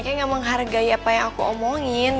kayaknya gak menghargai apa yang aku omongin